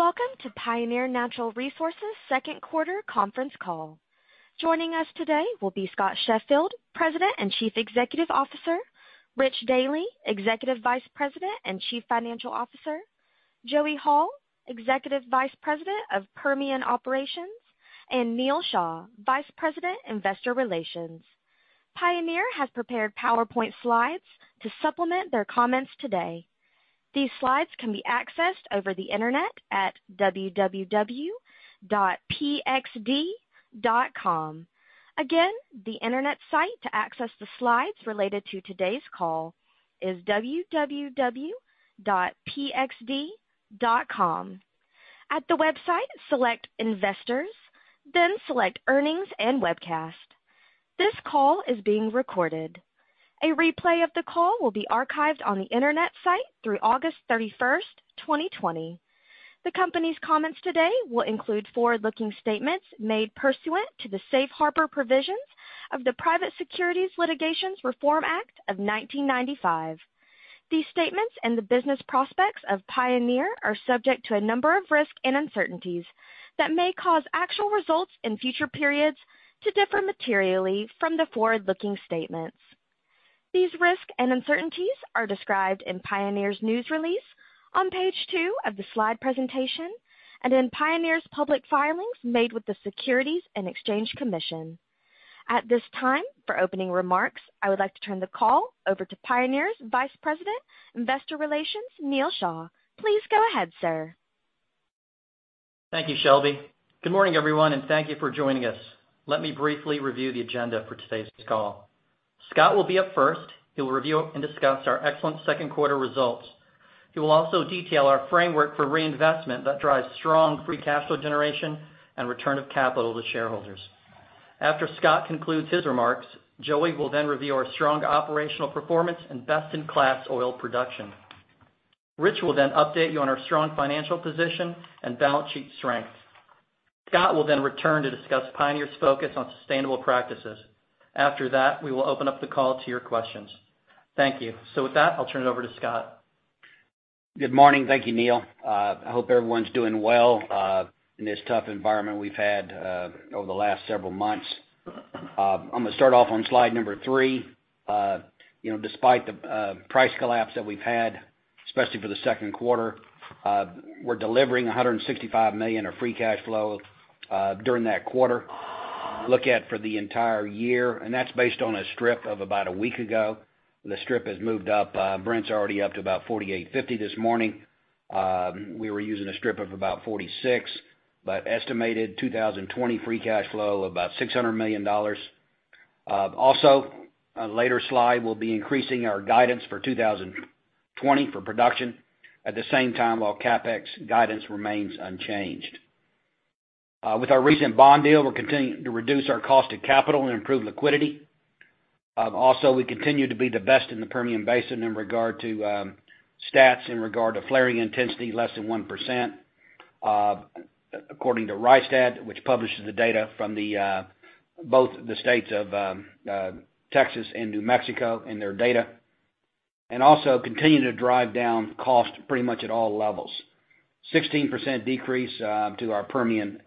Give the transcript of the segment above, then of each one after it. Welcome to Pioneer Natural Resources' second quarter conference call. Joining us today will be Scott Sheffield, President and Chief Executive Officer, Rich Dealy, Executive Vice President and Chief Financial Officer, Joey Hall, Executive Vice President of Permian Operations, and Neal H. Shah, Vice President, Investor Relations. Pioneer has prepared PowerPoint slides to supplement their comments today. These slides can be accessed over the internet at www.pxd.com. The internet site to access the slides related to today's call is www.pxd.com. At the website, select Investors, then select Earnings and Webcast. This call is being recorded. A replay of the call will be archived on the internet site through August 31st, 2020. The company's comments today will include forward-looking statements made pursuant to the Safe Harbor Provisions of the Private Securities Litigation Reform Act of 1995. These statements and the business prospects of Pioneer are subject to a number of risks and uncertainties that may cause actual results in future periods to differ materially from the forward-looking statements. These risks and uncertainties are described in Pioneer's news release, on page two of the slide presentation, and in Pioneer's public filings made with the Securities and Exchange Commission. At this time, for opening remarks, I would like to turn the call over to Pioneer's Vice President, Investor Relations, Neal H. Shah. Please go ahead, sir. Thank you, Shelby. Good morning, everyone, and thank you for joining us. Let me briefly review the agenda for today's call. Scott will be up first. He will review and discuss our excellent second quarter results. He will also detail our framework for reinvestment that drives strong free cash flow generation and return of capital to shareholders. After Scott concludes his remarks, Joey will then review our strong operational performance and best-in-class oil production. Rich will then update you on our strong financial position and balance sheet strength. Scott will then return to discuss Pioneer's focus on sustainable practices. After that, we will open up the call to your questions. Thank you. With that, I'll turn it over to Scott. Good morning. Thank you, Neal. I hope everyone's doing well in this tough environment we've had over the last several months. I'm going to start off on slide number three. Despite the price collapse that we've had, especially for the second quarter, we're delivering $165 million of free cash flow during that quarter. Look at for the entire year, and that's based on a strip of about a week ago. The strip has moved up. Brent already up to about $48.50 this morning. We were using a strip of about $46, but estimated 2020 free cash flow of about $600 million. Also, a later slide will be increasing our guidance for 2020 for production. At the same time, while CapEx guidance remains unchanged. With our recent bond deal, we're continuing to reduce our cost of capital and improve liquidity. We continue to be the best in the Permian Basin in regard to stats, in regard to flaring intensity, less than 1%, according to Rystad, which publishes the data from both the states of Texas and New Mexico in their data. Also continue to drive down cost pretty much at all levels. 16% decrease to our Permian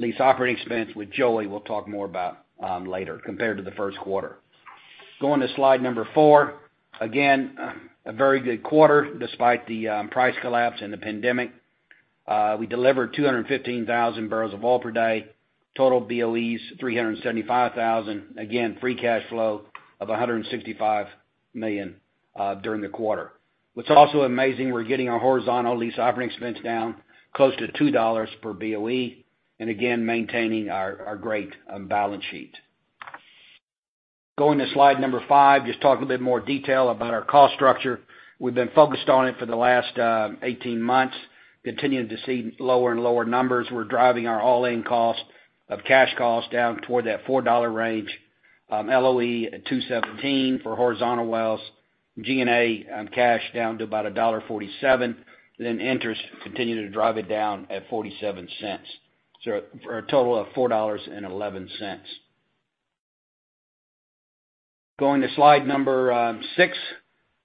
lease operating expense, which Joey will talk more about later, compared to the first quarter. Going to slide number four, again, a very good quarter despite the price collapse and the pandemic. We delivered 215,000 barrels of oil per day. Total BOEs, 375,000. Again, free cash flow of $165 million during the quarter. What's also amazing, we're getting our horizontal lease operating expense down close to $2 per BOE, and again, maintaining our great balance sheet. Going to slide number five, just talk a little bit more detail about our cost structure. We've been focused on it for the last 18 months, continuing to see lower and lower numbers. We're driving our all-in cost of cash costs down toward that $4 range. LOE at $2.17 for horizontal wells. G&A on cash down to about $1.47. Interest continue to drive it down at $0.47, so for a total of $4.11. Going to slide number six.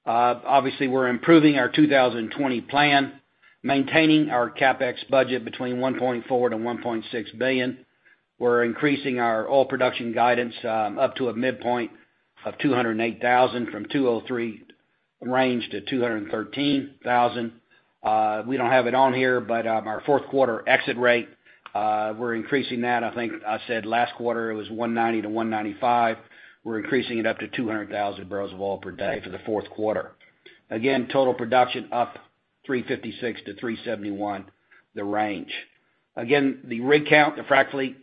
Obviously, we're improving our 2020 plan, maintaining our CapEx budget between $1.4 billion-$1.6 billion. We're increasing our oil production guidance up to a midpoint of 208,000 from 203,000-213,000. We don't have it on here, but our fourth quarter exit rate, we're increasing that. I think I said last quarter it was 190,000-195,000. We're increasing it up to 200,000 bbl of oil per day for the fourth quarter. Total production up 356-371, the range. The rig count, the frac fleet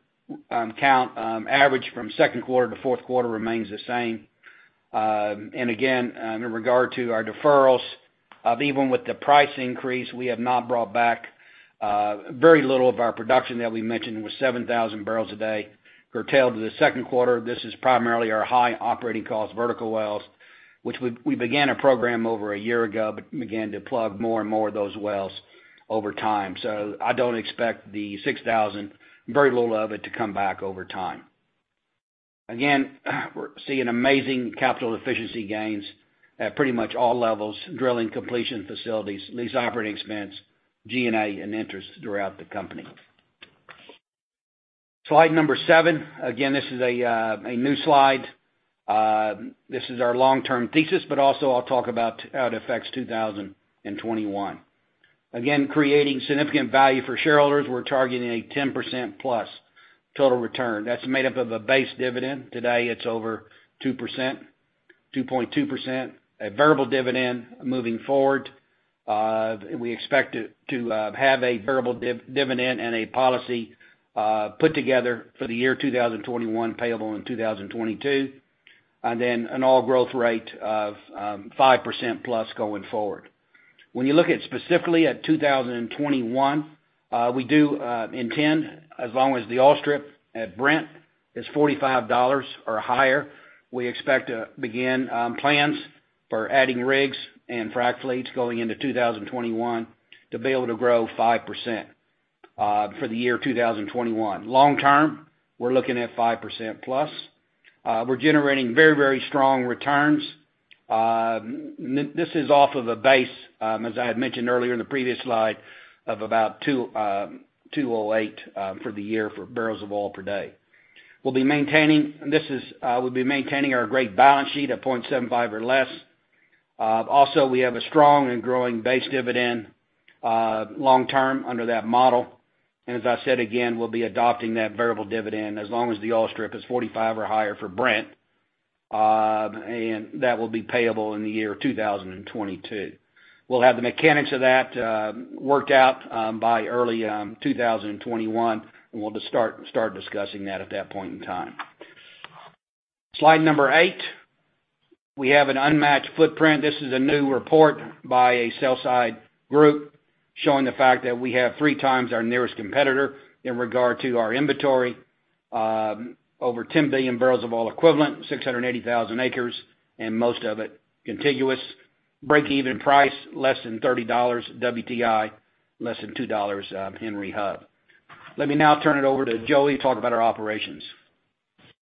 count average from second quarter to fourth quarter remains the same. In regard to our deferrals, even with the price increase, we have not brought back very little of our production that we mentioned was 7,000 bbl a day curtailed to the second quarter. This is primarily our high operating cost vertical wells, which we began a program over a year ago, but began to plug more and more of those wells over time. I don't expect the 6,000, very little of it, to come back over time. We're seeing amazing capital efficiency gains at pretty much all levels, drilling completion facilities, lease operating expense, G&A, and interest throughout the company. Slide number seven. This is a new slide. This is our long-term thesis, but also I'll talk about how it affects 2021. Creating significant value for shareholders. We're targeting a 10%+ total return. That's made up of a base dividend. Today, it's over 2.2%, a variable dividend moving forward. We expect to have a variable dividend and a policy put together for the year 2021, payable in 2022. An Oil growth rate of 5%+ going forward. When you look at specifically at 2021, we do intend, as long as the oil strip at Brent is $45 or higher, we expect to begin plans for adding rigs and frac fleets going into 2021 to be able to grow 5% for the year 2021. Long-term, we're looking at 5%+. We're generating very strong returns. This is off of a base, as I had mentioned earlier in the previous slide, of about 208 for the year for barrels of oil per day. We'll be maintaining our great balance sheet of 0.75 or less. We have a strong and growing base dividend, long-term, under that model. As I said again, we'll be adopting that variable dividend as long as the oil strip is $45 or higher for Brent. That will be payable in the year 2022. We'll have the mechanics of that worked out by early 2021, and we'll start discussing that at that point in time. Slide number eight. We have an unmatched footprint. This is a new report by a sell side group, showing the fact that we have three times our nearest competitor in regard to our inventory. Over 10 billion barrels of oil equivalent, 680,000 acres, and most of it contiguous. Breakeven price, less than $30 WTI, less than $2 Henry Hub. Let me now turn it over to Joey to talk about our operations.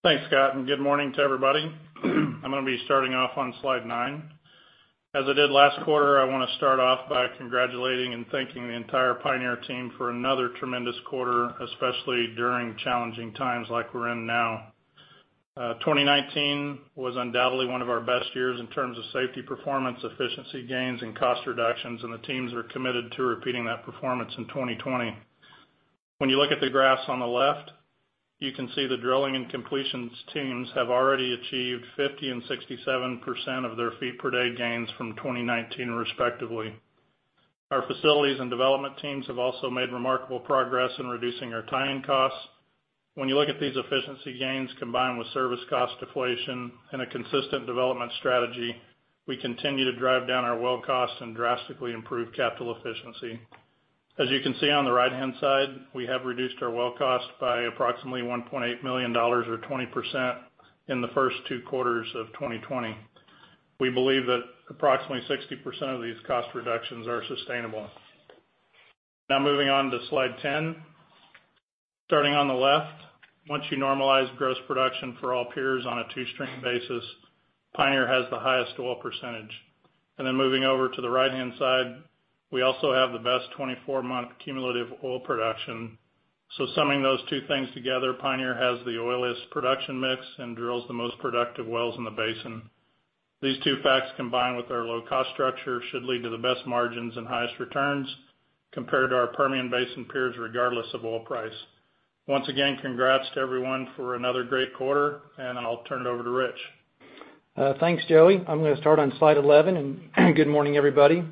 Thanks, Scott, and good morning to everybody. I'm going to be starting off on slide nine. As I did last quarter, I want to start off by congratulating and thanking the entire Pioneer team for another tremendous quarter, especially during challenging times like we're in now. 2019 was undoubtedly one of our best years in terms of safety performance, efficiency gains, and cost reductions, and the teams are committed to repeating that performance in 2020. When you look at the graphs on the left, you can see the drilling and completions teams have already achieved 50% and 67% of their feet per day gains from 2019, respectively. Our facilities and development teams have also made remarkable progress in reducing our tie-in costs. When you look at these efficiency gains combined with service cost deflation and a consistent development strategy, we continue to drive down our well costs and drastically improve capital efficiency. As you can see on the right-hand side, we have reduced our well cost by approximately $1.8 million or 20% in the first two quarters of 2020. We believe that approximately 60% of these cost reductions are sustainable. Moving on to slide 10. Starting on the left, once you normalize gross production for all peers on a two-stream basis, Pioneer has the highest oil percentage. Moving over to the right-hand side, we also have the best 24-month cumulative oil production. Summing those two things together, Pioneer has the oiliest production mix and drills the most productive wells in the basin. These two facts, combined with our low-cost structure, should lead to the best margins and highest returns compared to our Permian Basin peers, regardless of oil price. Once again, congrats to everyone for another great quarter. I'll turn it over to Rich. Thanks, Joey. I'm going to start on slide 11. Good morning, everybody.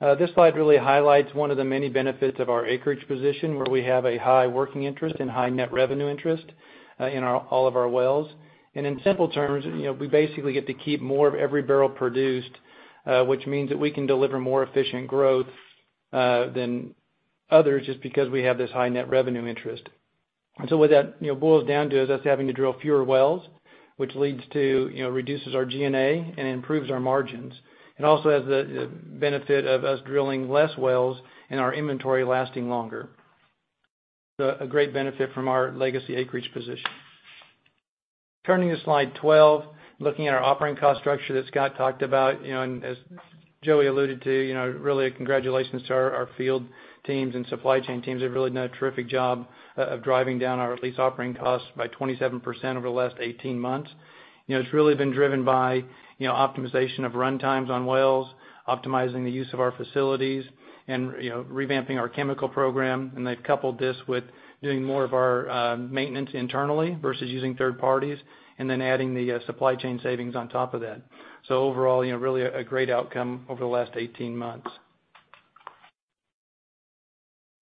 This slide really highlights one of the many benefits of our acreage position, where we have a high working interest and high net revenue interest in all of our wells. In simple terms, we basically get to keep more of every barrel produced, which means that we can deliver more efficient growth than others just because we have this high net revenue interest. What that boils down to is us having to drill fewer wells, which leads to reduces our G&A and improves our margins. It also has the benefit of us drilling less wells and our inventory lasting longer. A great benefit from our legacy acreage position. Turning to slide 12, looking at our operating cost structure that Scott talked about, and as Joey alluded to, really a congratulations to our field teams and supply chain teams. They've really done a terrific job of driving down our lease operating costs by 27% over the last 18 months. It's really been driven by optimization of run times on wells, optimizing the use of our facilities, and revamping our chemical program. They've coupled this with doing more of our maintenance internally versus using third parties, and then adding the supply chain savings on top of that. Overall, really a great outcome over the last 18 months.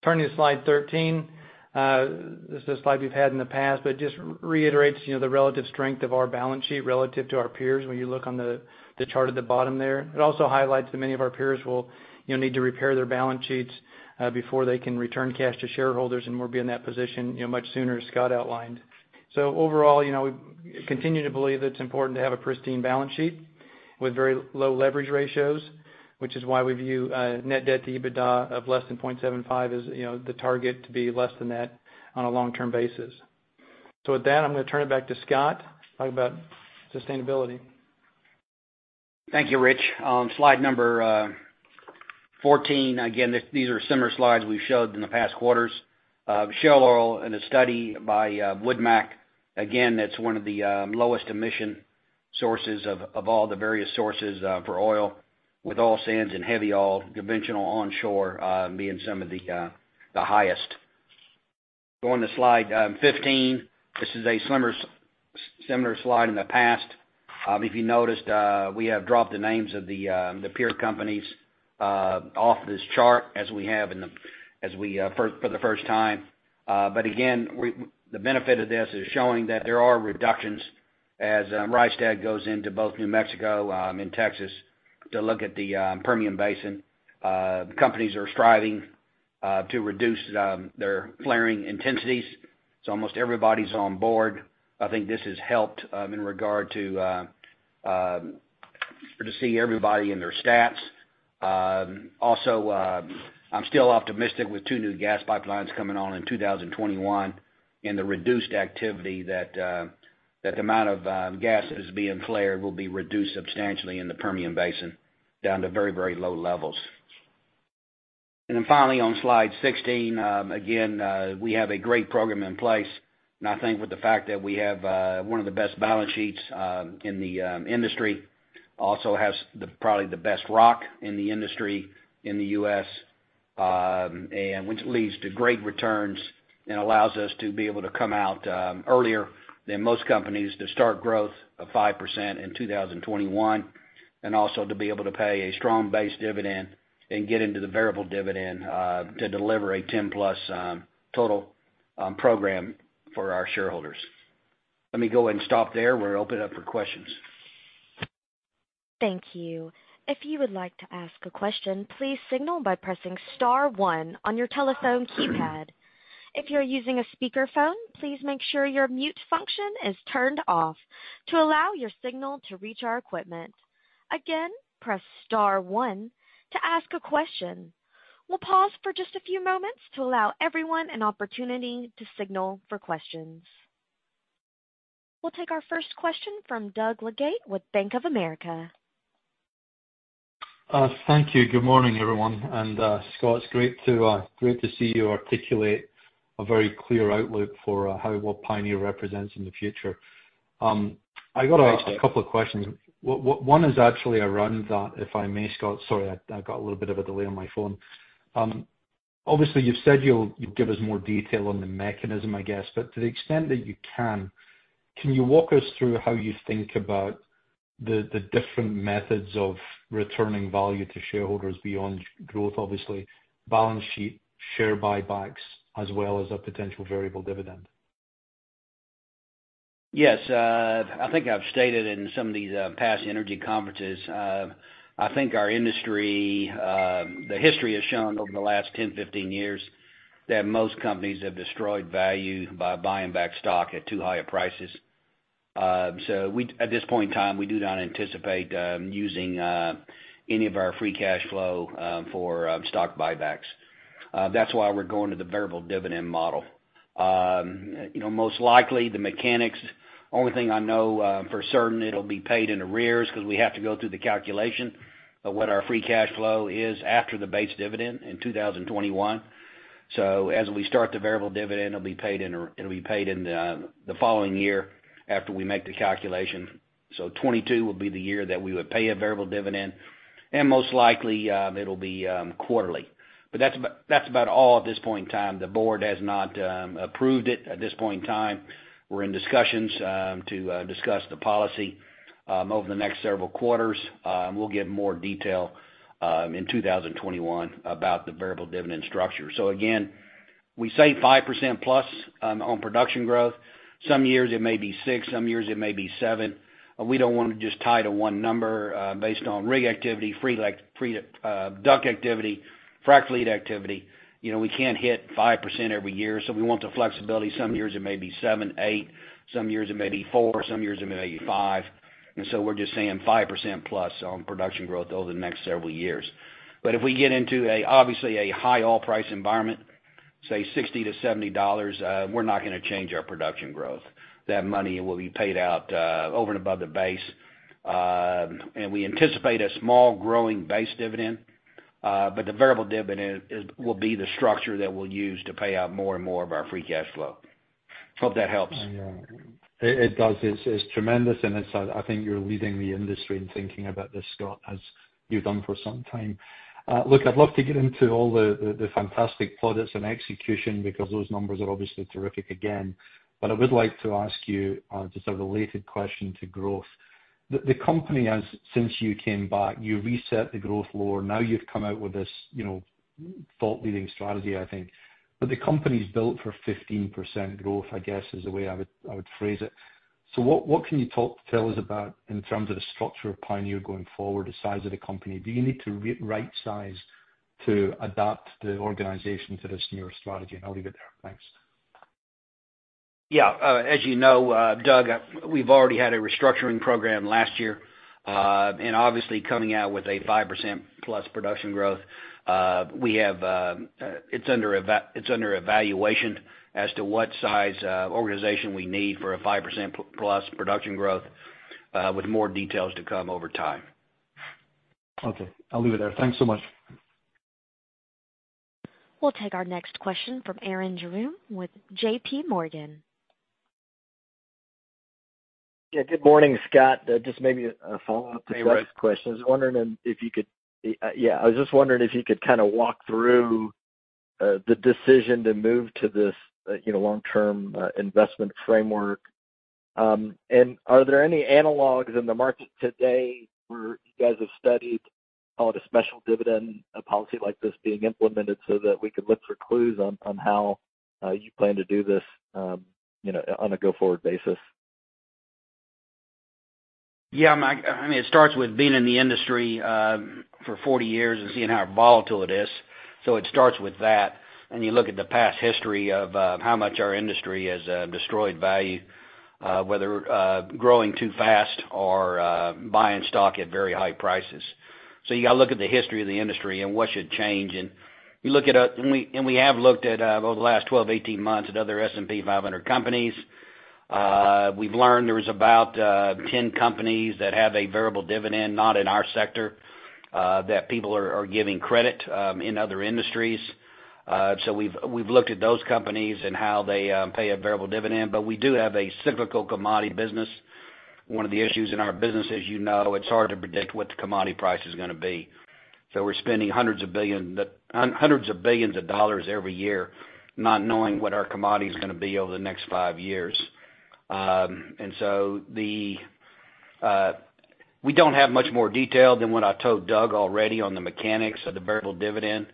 Turning to slide 13. This is a slide we've had in the past, but it just reiterates the relative strength of our balance sheet relative to our peers when you look on the chart at the bottom there. It also highlights that many of our peers will need to repair their balance sheets before they can return cash to shareholders, and we'll be in that position much sooner, as Scott outlined. Overall, we continue to believe that it's important to have a pristine balance sheet with very low leverage ratios, which is why we view net debt to EBITDA of less than 0.75 as the target to be less than that on a long-term basis. With that, I'm going to turn it back to Scott to talk about sustainability. Thank you, Rich. Slide number 14. These are similar slides we've showed in the past quarters. Shale oil in a study by Woodmac, that's one of the lowest emission sources of all the various sources for oil, with oil sands and heavy oil, conventional onshore being some of the highest. Going to slide 15, this is a similar slide in the past. If you noticed, we have dropped the names of the peer companies off this chart for the first time. The benefit of this is showing that there are reductions as Rystad goes into both New Mexico and Texas to look at the Permian Basin. Companies are striving to reduce their flaring intensities. Almost everybody's on board. I think this has helped in regard to see everybody and their stats. I'm still optimistic with two new gas pipelines coming on in 2021, and the reduced activity that the amount of gas that is being flared will be reduced substantially in the Permian Basin, down to very low levels. Finally, on slide 16, again, we have a great program in place. I think with the fact that we have one of the best balance sheets in the industry, also has probably the best rock in the industry in the U.S., which leads to great returns and allows us to be able to come out earlier than most companies to start growth of 5% in 2021. Also to be able to pay a strong base dividend and get into the variable dividend to deliver a 10-plus total program for our shareholders. Let me go ahead and stop there. We'll open it up for questions. Thank you. We'll take our first question from Doug Leggate with Bank of America. Thank you. Good morning, everyone. Scott, it's great to see you articulate a very clear outlook for how, what Pioneer represents in the future. I got a couple of questions. One is actually around that, if I may, Scott. Sorry, I got a little bit of a delay on my phone. Obviously, you've said you'll give us more detail on the mechanism, I guess. To the extent that you can you walk us through how you think about the different methods of returning value to shareholders beyond growth, obviously, balance sheet, share buybacks, as well as a potential variable dividend? Yes. I think I've stated in some of these past energy conferences, I think our industry, the history has shown over the last 10, 15 years that most companies have destroyed value by buying back stock at too high of prices. At this point in time, we do not anticipate using any of our free cash flow for stock buybacks. That's why we're going to the variable dividend model. Most likely the mechanics, only thing I know for certain, it'll be paid in arrears because we have to go through the calculation of what our free cash flow is after the base dividend in 2021. As we start, the variable dividend will be paid in the following year after we make the calculation. 2022 will be the year that we would pay a variable dividend, and most likely, it'll be quarterly. That's about all at this point in time. The board has not approved it at this point in time. We're in discussions to discuss the policy over the next several quarters. We'll give more detail in 2021 about the variable dividend structure. Again, we say 5% plus on production growth. Some years it may be six, some years it may be seven. We don't want to just tie to one number based on rig activity, DUC activity, frac fleet activity. We can't hit 5% every year, so we want the flexibility. Some years it may be seven, eight, some years it may be four, some years it may be five. We're just saying 5% plus on production growth over the next several years. If we get into obviously a high oil price environment, say $60 to $70, we're not going to change our production growth. That money will be paid out over and above the base. We anticipate a small growing base dividend. The variable dividend will be the structure that we'll use to pay out more and more of our free cash flow. Hope that helps. It does. It's tremendous, and I think you're leading the industry in thinking about this, Scott, as you've done for some time. Look, I'd love to get into all the fantastic products and execution because those numbers are obviously terrific again. I would like to ask you just a related question to growth. The company has, since you came back, you reset the growth lower. Now you've come out with this thought leading strategy, I think. The company's built for 15% growth, I guess, is the way I would phrase it. What can you tell us about in terms of the structure of Pioneer going forward, the size of the company? Do you need to right-size to adapt the organization to this newer strategy? I'll leave it there. Thanks. Yeah. As you know, Doug, we've already had a restructuring program last year. Obviously coming out with a 5% plus production growth, it's under evaluation as to what size organization we need for a 5% plus production growth, with more details to come over time. Okay. I'll leave it there. Thanks so much. We'll take our next question from Arun Jayaram with JPMorgan. Yeah. Good morning, Scott. Just maybe a follow-up to Doug's question. Hey, Arun. I was just wondering if you could kind of walk through the decision to move to this long-term investment framework. Are there any analogs in the market today where you guys have studied, call it, a special dividend, a policy like this being implemented so that we can look for clues on how you plan to do this on a go-forward basis? Yeah, it starts with being in the industry for 40 years and seeing how volatile it is. It starts with that. You look at the past history of how much our industry has destroyed value, whether growing too fast or buying stock at very high prices. You got to look at the history of the industry and what should change. We have looked at, over the last 12, 18 months, at other S&P 500 companies. We've learned there is about 10 companies that have a variable dividend, not in our sector, that people are giving credit in other industries. We've looked at those companies and how they pay a variable dividend. We do have a cyclical commodity business. One of the issues in our business, as you know, it's hard to predict what the commodity price is going to be. We're spending $100s of billions every year not knowing what our commodity is going to be over the next five years. We don't have much more detail than what I told Doug already on the mechanics of the variable dividend.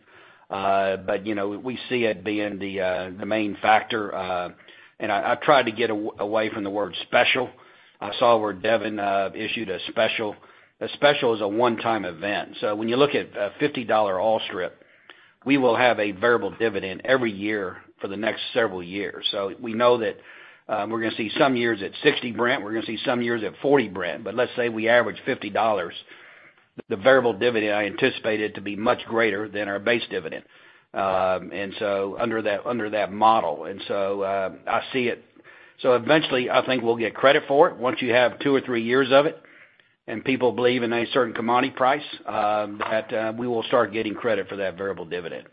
We see it being the main factor. I tried to get away from the word special. I saw where Devon issued a special. A special is a one-time event. When you look at a $50 oil strip, we will have a variable dividend every year for the next several years. We know that we're going to see some years at $60 Brent, we're going to see some years at $40 Brent, but let's say we average $50. The variable dividend, I anticipate it to be much greater than our base dividend under that model. I see it. Eventually, I think we'll get credit for it once you have two or three years of it, and people believe in a certain commodity price, that we will start getting credit for that variable dividend.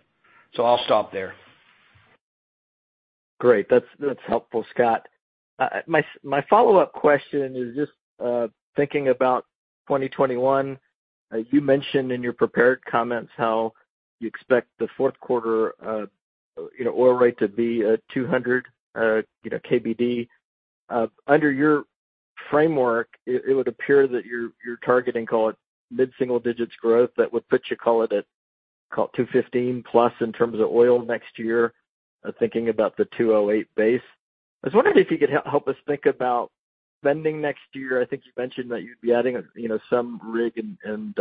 I'll stop there. Great. That's helpful, Scott. My follow-up question is just thinking about 2021. You mentioned in your prepared comments how you expect the fourth quarter oil rate to be at 200 KBD. Under your framework, it would appear that you're targeting, call it, mid-single digits growth. That would put you, call it, at 215 plus in terms of oil next year. I'm thinking about the 208 base. I was wondering if you could help us think about spending next year. I think you mentioned that you'd be adding some rig and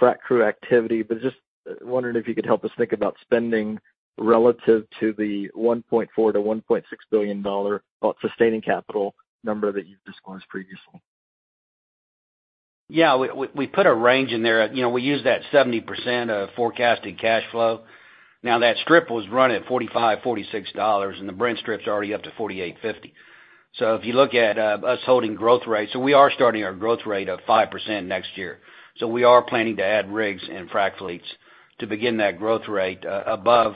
frac crew activity. Just wondering if you could help us think about spending relative to the $1.4 billion-$1.6 billion sustaining capital number that you've disclosed previously. Yeah. We put a range in there. We used that 70% of forecasted cash flow. That strip was run at $45, $46, and the Brent strip's already up to $48.50. If you look at us holding growth rates, we are starting our growth rate of 5% next year. We are planning to add rigs and frac fleets to begin that growth rate above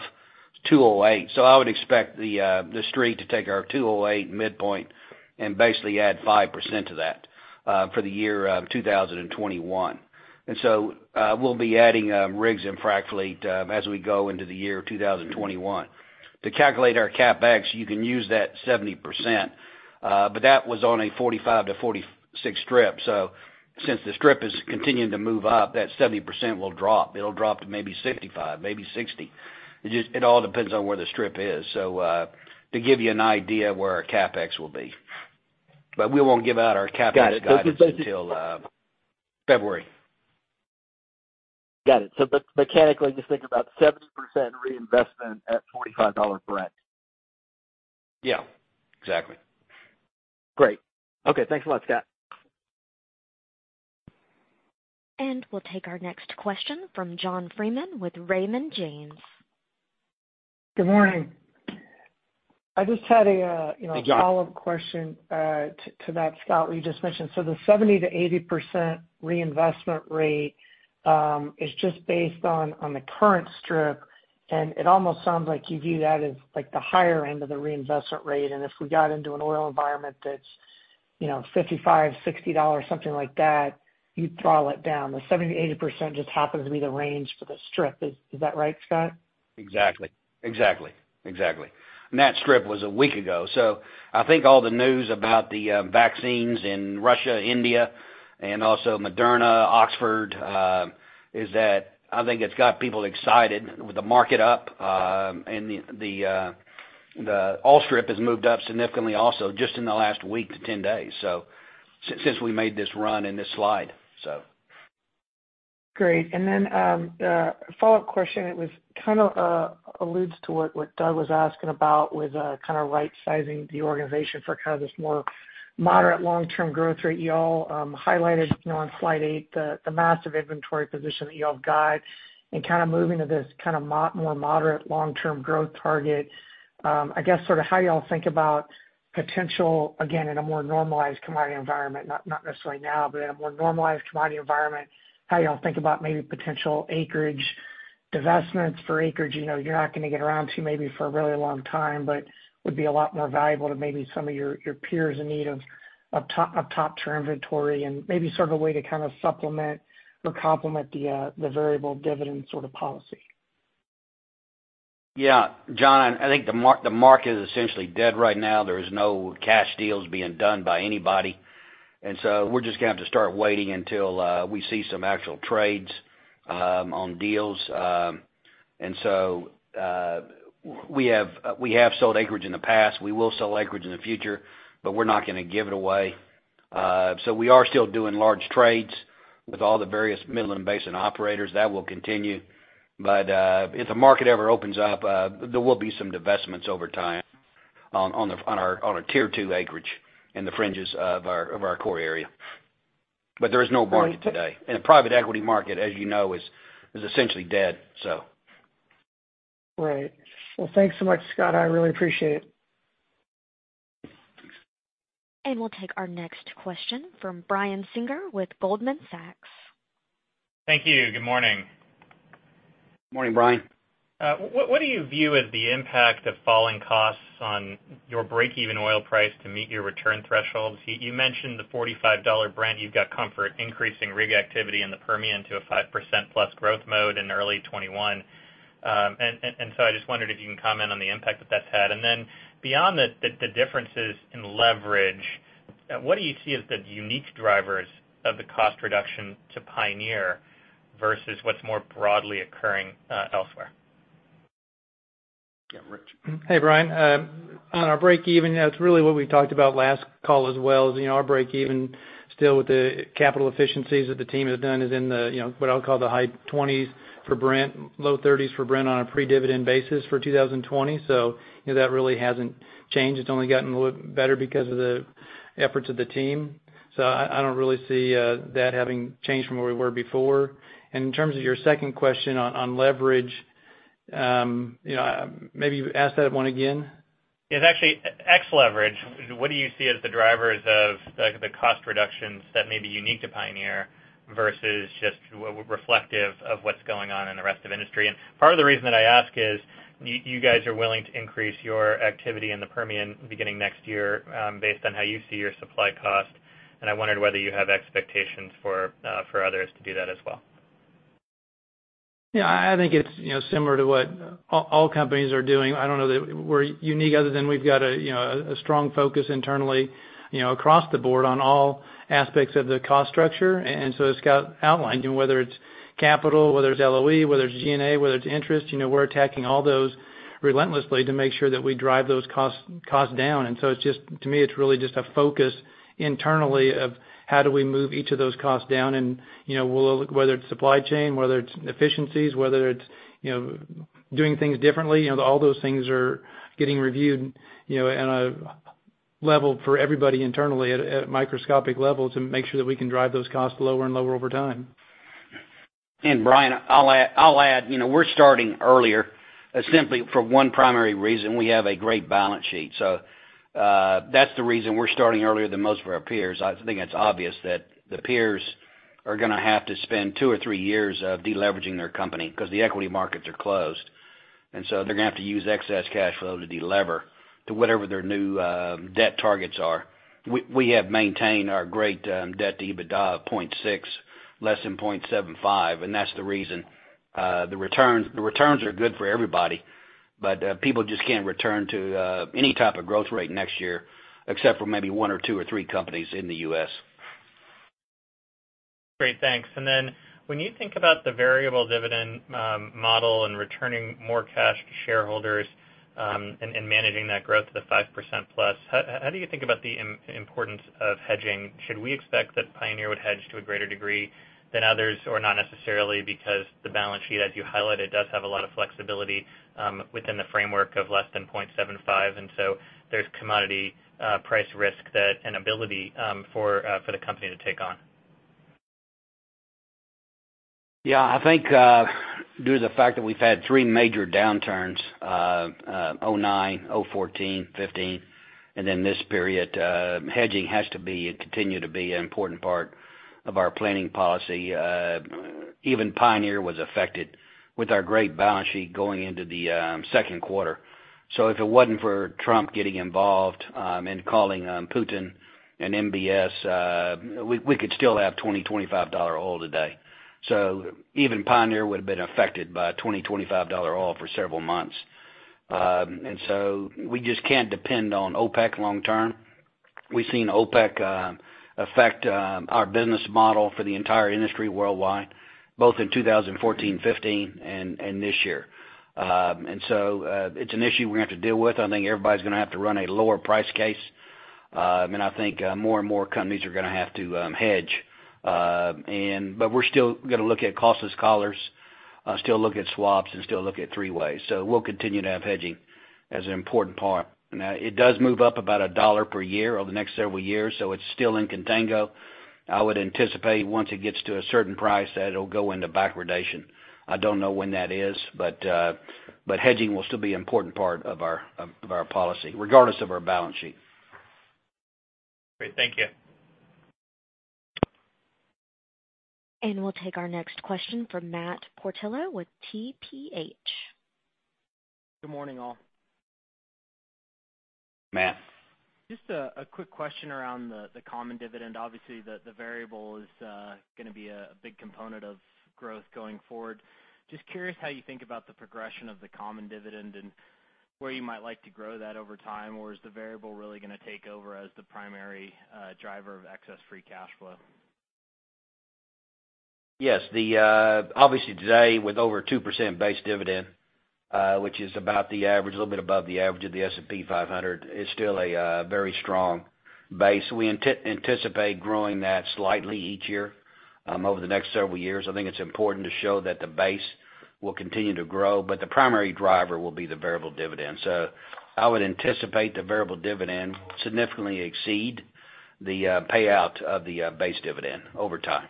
208. I would expect the Street to take our 208 midpoint and basically add 5% to that for the year 2021. We'll be adding rigs and frac fleet as we go into the year 2021. To calculate our CapEx, you can use that 70%, but that was on a $45-$46 strip. Since the strip is continuing to move up, that 70% will drop. It'll drop to maybe 65, maybe 60. It all depends on where the strip is. To give you an idea where our CapEx will be. We won't give out our capital guidance until February. Got it. Mechanically, just think about 70% reinvestment at $45 Brent. Yeah. Exactly. Great. Okay. Thanks a lot, Scott. We'll take our next question from John Freeman with Raymond James. Good morning. I just had a follow-up question to that, Scott, what you just mentioned. The 70%-80% reinvestment rate is just based on the current strip, and it almost sounds like you view that as the higher end of the reinvestment rate. If we got into an oil environment that's $55, $60, something like that, you'd throttle it down. The 70%-80% just happens to be the range for the strip. Is that right, Scott? Exactly. That strip was a week ago. I think all the news about the vaccines in Russia, India, and also Moderna, Oxford, is that I think it's got people excited with the market up. The oil strip has moved up significantly also just in the last week to 10 days, since we made this run in this slide. Great. The follow-up question, it alludes to what Doug was asking about with right-sizing the organization for this more moderate long-term growth rate. You all highlighted on slide eight the massive inventory position that you all have got and moving to this more moderate long-term growth target. I guess how you all think about potential, again, in a more normalized commodity environment, not necessarily now, but in a more normalized commodity environment, how you all think about maybe potential acreage, divestments for acreage you're not going to get around to maybe for a really long time, but would be a lot more valuable to maybe some of your peers in need of top-tier inventory and maybe a way to supplement or complement the variable dividend policy. Yeah. John, I think the market is essentially dead right now. There is no cash deals being done by anybody. We're just going to have to start waiting until we see some actual trades on deals. We have sold acreage in the past. We will sell acreage in the future. We're not going to give it away. We are still doing large trades with all the various Midland Basin operators. That will continue. If the market ever opens up, there will be some divestments over time on our tier 2 acreage in the fringes of our core area. There is no market today. The private equity market, as you know, is essentially dead. Right. Well, thanks so much, Scott. I really appreciate it. We'll take our next question from Brian Singer with Goldman Sachs. Thank you. Good morning. Morning, Brian. What do you view as the impact of falling costs on your break-even oil price to meet your return thresholds? You mentioned the $45 Brent. You've got comfort increasing rig activity in the Permian to a 5% plus growth mode in early 2021. I just wondered if you can comment on the impact that that's had. Beyond the differences in leverage, what do you see as the unique drivers of the cost reduction to Pioneer versus what's more broadly occurring elsewhere? Yeah, Rich. Hey, Brian. On our break-even, it's really what we talked about last call as well is, our break-even still with the capital efficiencies that the team has done is in the, what I'll call the high 20s for Brent, low 30s for Brent on a pre-dividend basis for 2020. That really hasn't changed. It's only gotten a little better because of the efforts of the team. I don't really see that having changed from where we were before. In terms of your second question on leverage, maybe ask that one again. It's actually ex leverage. What do you see as the drivers of the cost reductions that may be unique to Pioneer versus just reflective of what's going on in the rest of industry? Part of the reason that I ask is, you guys are willing to increase your activity in the Permian beginning next year, based on how you see your supply cost. I wondered whether you have expectations for others to do that as well. Yeah, I think it's similar to what all companies are doing. I don't know that we're unique other than we've got a strong focus internally across the board on all aspects of the cost structure. As Scott outlined, whether it's capital, whether it's LOE, whether it's G&A, whether it's interest, we're attacking all those relentlessly to make sure that we drive those costs down. To me, it's really just a focus internally of how do we move each of those costs down and whether it's supply chain, whether it's efficiencies, whether it's doing things differently. All those things are getting reviewed at a level for everybody internally at a microscopic level to make sure that we can drive those costs lower and lower over time. Brian, I'll add, we're starting earlier simply for one primary reason. We have a great balance sheet. That's the reason we're starting earlier than most of our peers. I think it's obvious that the peers are going to have to spend two or three years of deleveraging their company because the equity markets are closed. They're going to have to use excess cash flow to delever to whatever their new debt targets are. We have maintained our great debt to EBITDA of 0.6, less than 0.75. That's the reason. The returns are good for everybody, but people just can't return to any type of growth rate next year, except for maybe one or two or three companies in the U.S. Great, thanks. When you think about the variable dividend model and returning more cash to shareholders, and managing that growth to the 5% plus, how do you think about the importance of hedging? Should we expect that Pioneer would hedge to a greater degree than others, or not necessarily because the balance sheet, as you highlighted, does have a lot of flexibility within the framework of less than 0.75, and so there's commodity price risk that an ability for the company to take on? Yeah, I think due to the fact that we've had three major downturns, 2009, 2014, 2015, and then this period, hedging has to be and continue to be an important part of our planning policy. Even Pioneer was affected with our great balance sheet going into the second quarter. If it wasn't for Trump getting involved and calling Putin and MBS, we could still have $20, $25 oil today. Even Pioneer would have been affected by $20, $25 oil for several months. We just can't depend on OPEC long term. We've seen OPEC affect our business model for the entire industry worldwide, both in 2014, 2015, and this year. It's an issue we're going to have to deal with. I think everybody's going to have to run a lower price case. I think more and more companies are going to have to hedge. We're still going to look at costless collars, still look at swaps, and still look at three-ways. We'll continue to have hedging as an important part. Now, it does move up about $1 per year over the next several years, so it's still in contango. I would anticipate once it gets to a certain price, that it'll go into backwardation. I don't know when that is, but hedging will still be an important part of our policy, regardless of our balance sheet. Great. Thank you. We'll take our next question from Matt Portillo with TPH. Good morning, all. Matt. Just a quick question around the common dividend. Obviously, the variable is going to be a big component of growth going forward. Just curious how you think about the progression of the common dividend and where you might like to grow that over time, or is the variable really going to take over as the primary driver of excess free cash flow? Yes. Obviously today, with over 2% base dividend, which is about the average, a little bit above the average of the S&P 500, it's still a very strong base. We anticipate growing that slightly each year over the next several years. I think it's important to show that the base will continue to grow. The primary driver will be the variable dividend. I would anticipate the variable dividend significantly exceed the payout of the base dividend over time.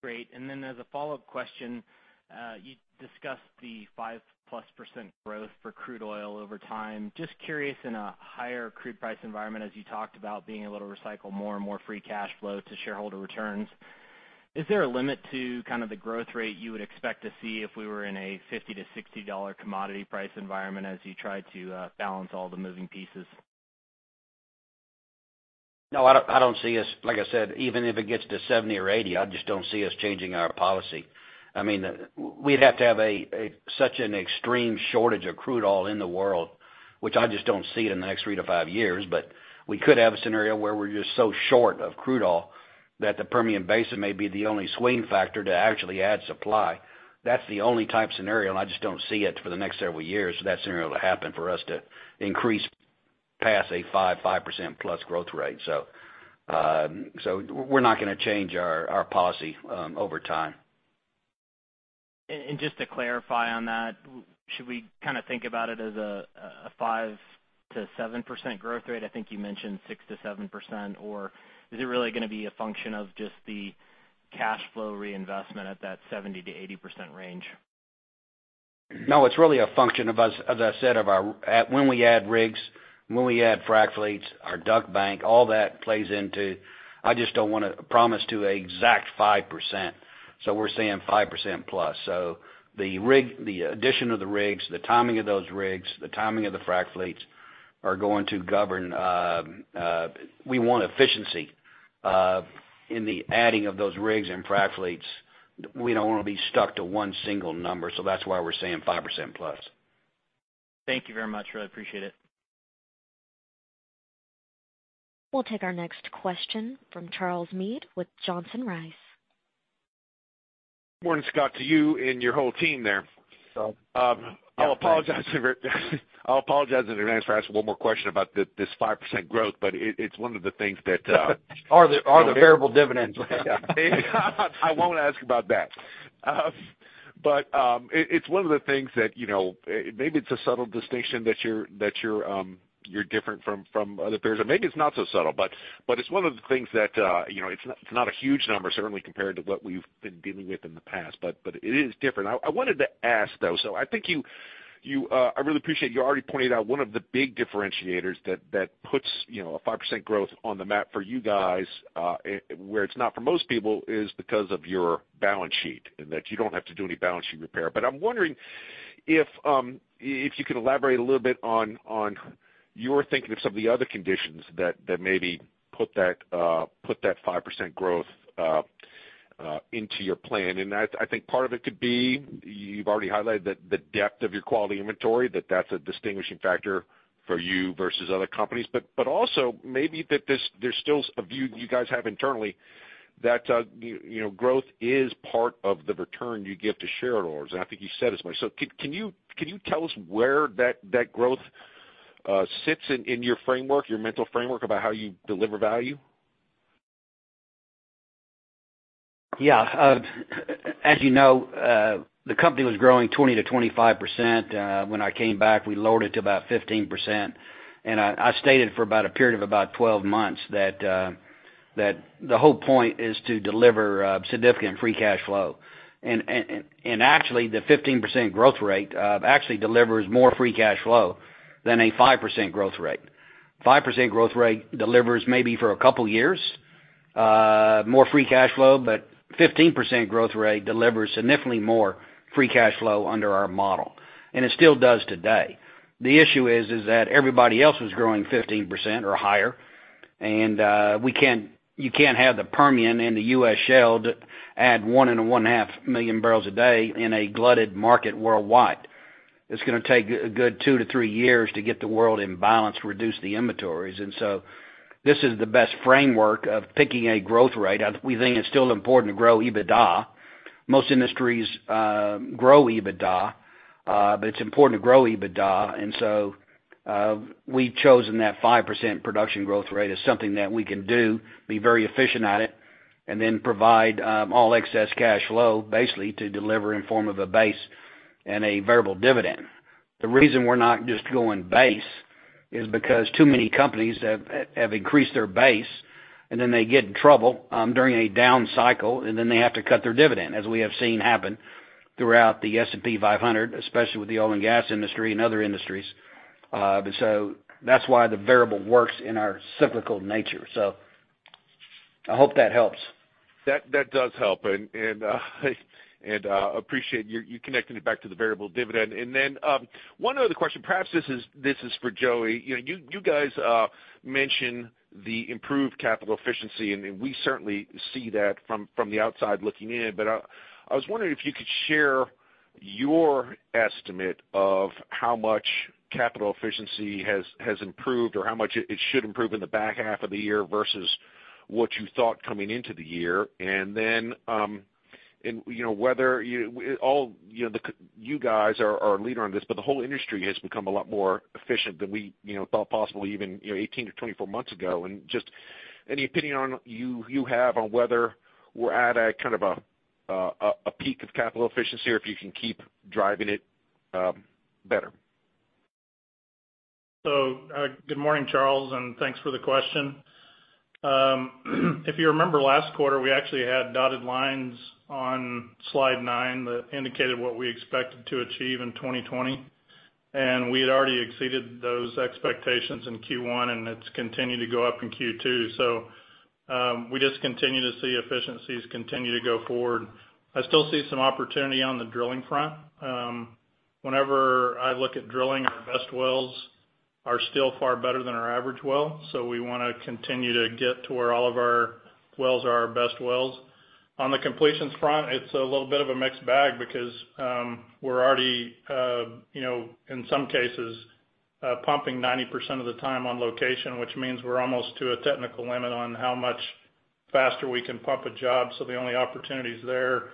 Great. As a follow-up question, you discussed the 5%+ growth for crude oil over time. Just curious, in a higher crude price environment, as you talked about being able to recycle more and more free cash flow to shareholder returns, is there a limit to kind of the growth rate you would expect to see if we were in a $50-$60 commodity price environment as you try to balance all the moving pieces? Like I said, even if it gets to $70 or $80, I just don't see us changing our policy. We'd have to have such an extreme shortage of crude oil in the world, which I just don't see in the next 3 to 5 years. We could have a scenario where we're just so short of crude oil that the Permian Basin may be the only swing factor to actually add supply. That's the only type scenario, and I just don't see it for the next several years, that scenario to happen for us to increase past a 5%+ growth rate. We're not going to change our policy over time. Just to clarify on that, should we think about it as a 5%-7% growth rate? I think you mentioned 6%-7%, or is it really going to be a function of just the cash flow reinvestment at that 70%-80% range? It's really a function of, as I said, when we add rigs, when we add frac fleets, our DUC bank, all that plays into. I just don't want to promise to an exact 5%, we're saying 5%. The addition of the rigs, the timing of those rigs, the timing of the frac fleets are going to govern. We want efficiency in the adding of those rigs and frac fleets. We don't want to be stuck to one single number, that's why we're saying 5% plus. Thank you very much. Really appreciate it. We'll take our next questio=n from Charles Meade with Johnson Rice. Morning, Scott, to you and your whole team there. Yeah. I'll apologize in advance for asking one more question about this 5% growth, but it's one of the things that- The variable dividends. I won't ask about that. It's one of the things that maybe it's a subtle distinction that you're different from other peers, or maybe it's not so subtle. It's one of the things that it's not a huge number, certainly compared to what we've been dealing with in the past, but it is different. I wanted to ask, though, so I really appreciate you already pointed out one of the big differentiators that puts a 5% growth on the map for you guys, where it's not for most people, is because of your balance sheet, and that you don't have to do any balance sheet repair. I'm wondering if you could elaborate a little bit on your thinking of some of the other conditions that maybe put that 5% growth into your plan. I think part of it could be, you've already highlighted the depth of your quality inventory, that that's a distinguishing factor for you versus other companies. Also maybe that there's still a view that you guys have internally that growth is part of the return you give to shareholders, and I think you said as much. Can you tell us where that growth sits in your framework, your mental framework about how you deliver value? Yeah. As you know, the company was growing 20%-25%. When I came back, we lowered it to about 15%. I stated for about a period of about 12 months that the whole point is to deliver significant free cash flow. Actually, the 15% growth rate actually delivers more free cash flow than a 5% growth rate. 5% growth rate delivers maybe for a couple years, more free cash flow, but 15% growth rate delivers significantly more free cash flow under our model, and it still does today. The issue is that everybody else was growing 15% or higher, and you can't have the Permian and the U.S. shale add 1.5 million barrels a day in a glutted market worldwide. It's going to take a good 2-3 years to get the world in balance to reduce the inventories. This is the best framework of picking a growth rate. We think it's still important to grow EBITDA. Most industries grow EBITDA, but it's important to grow EBITDA. We've chosen that 5% production growth rate as something that we can do, be very efficient at it, and then provide all excess cash flow, basically, to deliver in form of a base and a variable dividend. The reason we're not just going base is because too many companies have increased their base, and then they get in trouble during a down cycle, and then they have to cut their dividend, as we have seen happen throughout the S&P 500, especially with the oil and gas industry and other industries. That's why the variable works in our cyclical nature. I hope that helps. That does help. I appreciate you connecting it back to the variable dividend. One other question, perhaps this is for Joey. You guys mention the improved capital efficiency, and we certainly see that from the outside looking in. I was wondering if you could share your estimate of how much capital efficiency has improved or how much it should improve in the back half of the year versus what you thought coming into the year. You guys are a leader on this, but the whole industry has become a lot more efficient than we thought possible even 18-24 months ago. Just any opinion you have on whether we're at a kind of a peak of capital efficiency, or if you can keep driving it better? Good morning, Charles, and thanks for the question. If you remember last quarter, we actually had dotted lines on Slide 9 that indicated what we expected to achieve in 2020. We had already exceeded those expectations in Q1, and it's continued to go up in Q2. We just continue to see efficiencies continue to go forward. I still see some opportunity on the drilling front. Whenever I look at drilling, our best wells are still far better than our average well. We want to continue to get to where all of our wells are our best wells. On the completions front, it's a little bit of a mixed bag because we're already, in some cases, pumping 90% of the time on location, which means we're almost to a technical limit on how much faster we can pump a job. The only opportunities there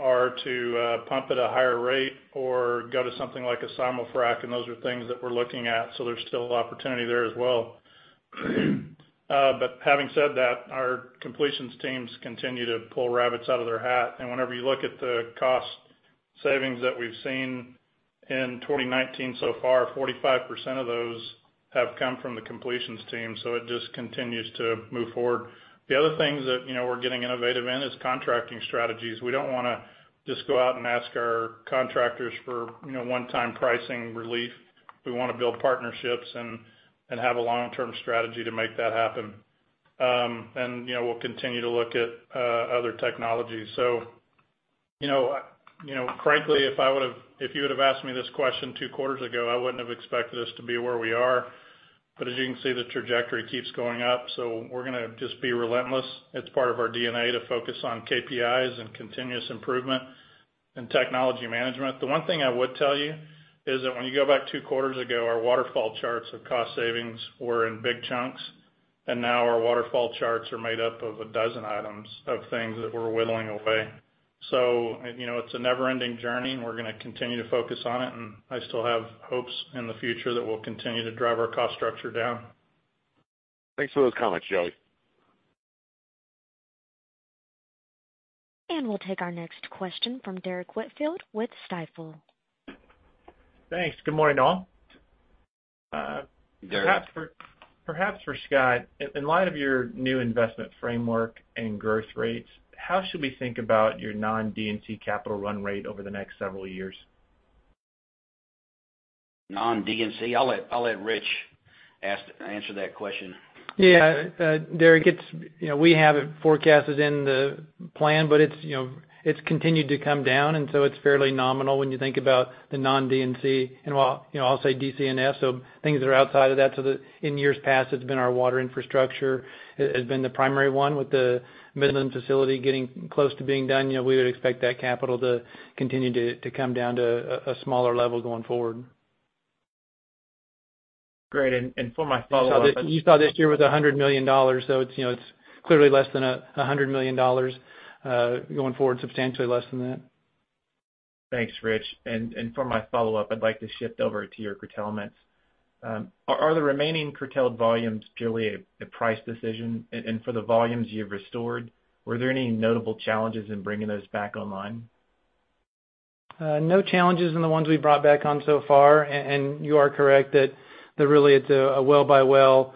are to pump at a higher rate or go to something like a simul-frac, and those are things that we're looking at. There's still opportunity there as well. Having said that, our completions teams continue to pull rabbits out of their hat. Whenever you look at the cost savings that we've seen in 2019 so far, 45% of those have come from the completions team. It just continues to move forward. The other things that we're getting innovative in is contracting strategies. We don't want to just go out and ask our contractors for one-time pricing relief. We want to build partnerships and have a long-term strategy to make that happen. We'll continue to look at other technologies. Frankly, if you would've asked me this question two quarters ago, I wouldn't have expected us to be where we are. As you can see, the trajectory keeps going up. We're going to just be relentless. It's part of our DNA to focus on KPIs and continuous improvement and technology management. The one thing I would tell you is that when you go back two quarters ago, our waterfall charts of cost savings were in big chunks, and now our waterfall charts are made up of a dozen items of things that we're whittling away. It's a never-ending journey, and we're going to continue to focus on it, and I still have hopes in the future that we'll continue to drive our cost structure down. Thanks for those comments, Joey. We'll take our next question from Derrick Whitfield with Stifel. Thanks. Good morning, all. Derrick. Perhaps for Scott, in light of your new investment framework and growth rates, how should we think about your non-D&C capital run rate over the next several years? Non-D&C? I'll let Rich answer that question. Yeah. Derrick, we have it forecasted in the plan, but it's continued to come down. It's fairly nominal when you think about the non-D&C. I'll say DC& F, so things that are outside of that. In years past, it's been our water infrastructure has been the primary one. With the Midland facility getting close to being done, we would expect that capital to continue to come down to a smaller level going forward. Great. For my follow-up. You saw this year with $100 million. It's clearly less than $100 million going forward, substantially less than that. Thanks, Rich. For my follow-up, I'd like to shift over to your curtailments. Are the remaining curtailed volumes purely a price decision? For the volumes you've restored, were there any notable challenges in bringing those back online? No challenges in the ones we've brought back on so far. You are correct that really it's a well-by-well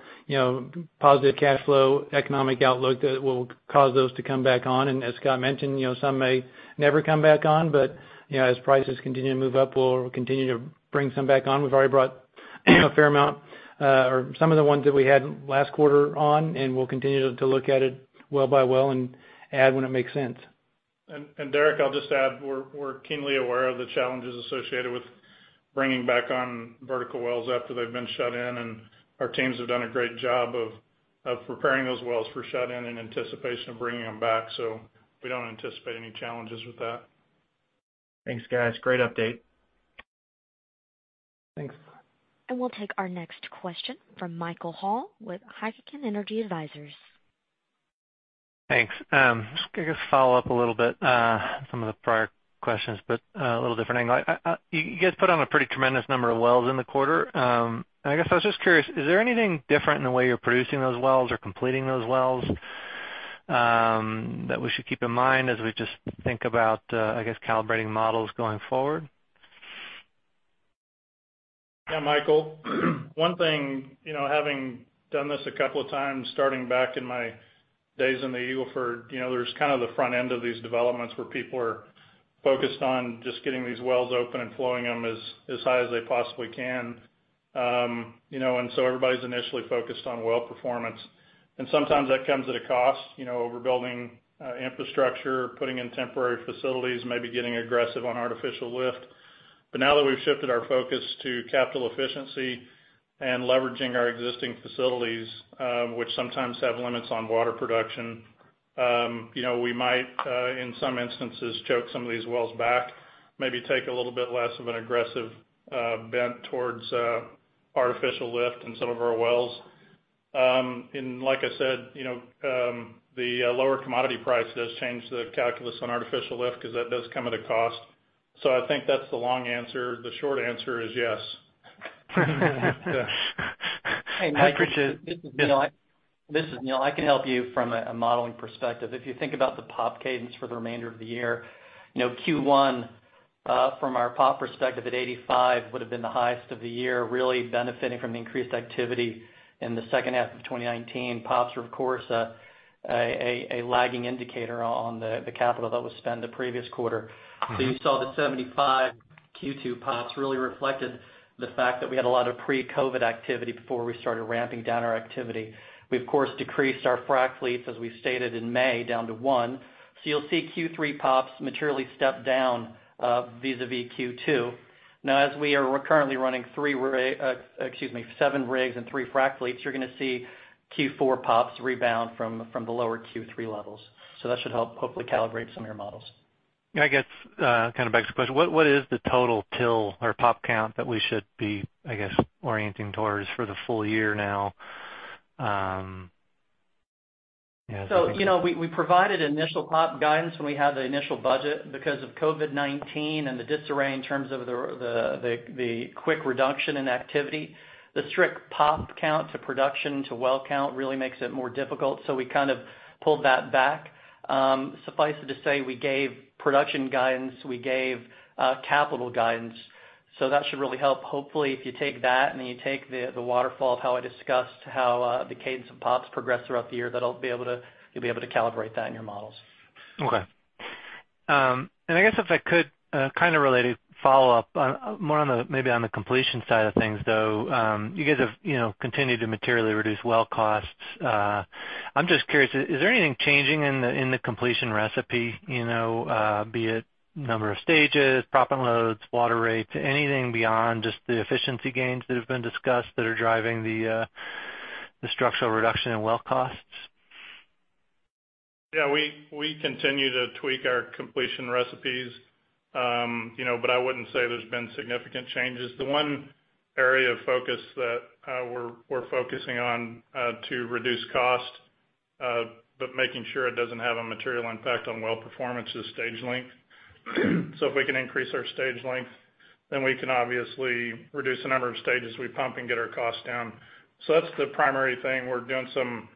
positive cash flow economic outlook that will cause those to come back on. As Scott mentioned, some may never come back on, but as prices continue to move up, we'll continue to bring some back on. We've already brought a fair amount, or some of the ones that we had last quarter on, and we'll continue to look at it well by well and add when it makes sense. Derrik, I'll just add, we're keenly aware of the challenges associated with bringing back on vertical wells after they've been shut in, and our teams have done a great job of preparing those wells for shut-in in anticipation of bringing them back. We don't anticipate any challenges with that. Thanks, guys. Great update. Thanks. We'll take our next question from Michael Hall with Heikkinen Energy Advisors. Thanks. Just follow up a little bit, some of the prior questions, but a little different angle. You guys put on a pretty tremendous number of wells in the quarter. I guess I was just curious, is there anything different in the way you're producing those wells or completing those wells, that we should keep in mind as we just think about, I guess, calibrating models going forward? Yeah, Michael. One thing, having done this a couple of times, starting back in my days in the Eagle Ford, there's kind of the front end of these developments where people are focused on just getting these wells open and flowing them as high as they possibly can. Everybody's initially focused on well performance. Sometimes that comes at a cost, overbuilding infrastructure, putting in temporary facilities, maybe getting aggressive on artificial lift. Now that we've shifted our focus to capital efficiency and leveraging our existing facilities, which sometimes have limits on water production. We might, in some instances, choke some of these wells back, maybe take a little bit less of an aggressive bent towards artificial lift in some of our wells. Like I said, the lower commodity price does change the calculus on artificial lift because that does come at a cost. I think that's the long answer. The short answer is yes. I appreciate- This is Neal. I can help you from a modeling perspective. If you think about the POP cadence for the remainder of the year. Q1, from our POP perspective at 85, would've been the highest of the year, really benefiting from the increased activity in the second half of 2019. POPs are, of course, a lagging indicator on the capital that was spent the previous quarter. You saw the 75 Q2 POPs really reflected the fact that we had a lot of pre-COVID activity before we started ramping down our activity. We, of course, decreased our frac fleets, as we stated in May, down to one. You'll see Q3 POPs materially step down, vis-a-vis Q2. Now, as we are currently running seven rigs and three frac fleets, you're going to see Q4 POPs rebound from the lower Q3 levels. That should help hopefully calibrate some of your models. I guess, kind of begs the question, what is the total TIL or POP count that we should be, I guess, orienting towards for the full year now? We provided initial POP guidance when we had the initial budget because of COVID-19 and the disarray in terms of the quick reduction in activity. The strict POP count to production to well count really makes it more difficult. We kind of pulled that back. Suffice it to say, we gave production guidance, we gave capital guidance. That should really help. Hopefully, if you take that and then you take the waterfall of how I discussed how the cadence of POPs progress throughout the year, you'll be able to calibrate that in your models. Okay. I guess if I could, kind of related follow-up, more maybe on the completion side of things, though. You guys have continued to materially reduce well costs. I'm just curious, is there anything changing in the completion recipe? Be it number of stages, proppant loads, water rates, anything beyond just the efficiency gains that have been discussed that are driving the structural reduction in well costs? Yeah. We continue to tweak our completion recipes. I wouldn't say there's been significant changes. The one area of focus that we're focusing on to reduce cost, but making sure it doesn't have a material impact on well performance, is stage length. If we can increase our stage length, then we can obviously reduce the number of stages we pump and get our costs down. That's the primary thing. We're doing some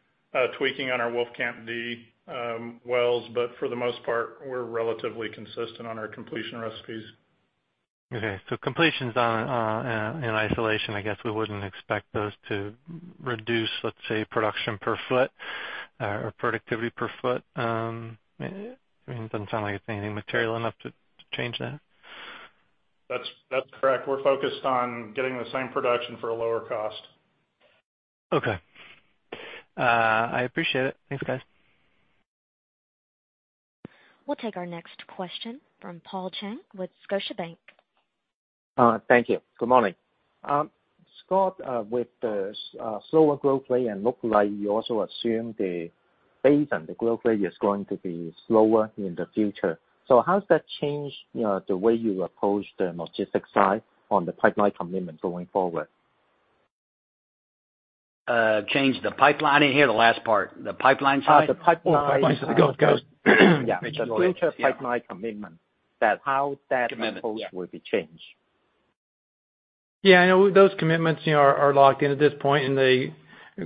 tweaking on our Wolfcamp D wells, for the most part, we're relatively consistent on our completion recipes. Okay. Completions in isolation, I guess we wouldn't expect those to reduce, let's say, production per foot or productivity per foot. It doesn't sound like it's anything material enough to change that. That's correct. We're focused on getting the same production for a lower cost. Okay. I appreciate it. Thanks, guys. We'll take our next question from Paul Cheng with Scotiabank. Thank you. Good morning. Scott, with the slower growth rate and look like you also assume the base and the growth rate is going to be slower in the future. How does that change the way you approach the logistics side on the pipeline commitment going forward? Change the pipeline in here, the last part. The pipeline side? The pipeline- Oh, the pipelines. Go. Yeah. The future pipeline commitment, how that approach will be changed? Commitment, yeah. Yeah, those commitments are locked in at this point, and they